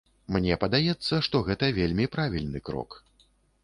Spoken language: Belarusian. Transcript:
Мне падаецца, што гэта вельмі правільны крок.